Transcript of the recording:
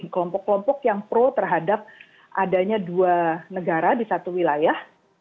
kelompok kelompok yang pro terhadap adanya dua negara di satu wilayah